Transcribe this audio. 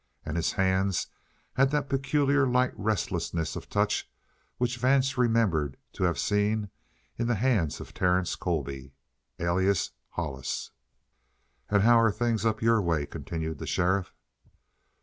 And his hands had that peculiar light restlessness of touch which Vance remembered to have seen in the hands of Terence Colby, alias Hollis! "And how's things up your way?" continued the sheriff.